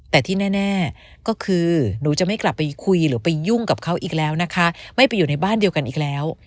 แต่ที่แน่ก็คือหนูจะไม่กลับไปคุยหรือไปยุ่งกับเขาอีกแล้วนะคะไม่ไปอยู่ในบ้านเดียวกันอีกแล้ว